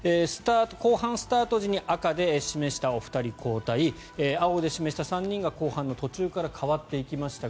後半スタート時に赤で示した２人が交代青で示した３人が後半の途中から代わっていきました。